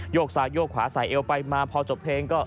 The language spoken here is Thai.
กซ้ายโยกขวาใส่เอวไปมาพอจบเพลงก็